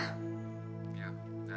ya sudah sampai jumpa